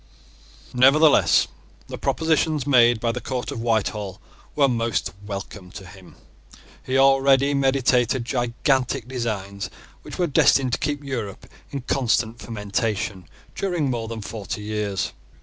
Nevertheless, the propositions made by the court of Whitehall were most welcome to him. He already meditated gigantic designs, which were destined to keep Europe in constant fermentation during more than forty years.